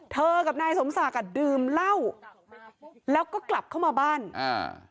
กับนายสมศักดิ์อ่ะดื่มเหล้าแล้วก็กลับเข้ามาบ้านอ่า